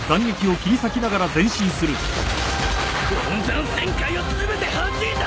円斬旋回を全てはじいた！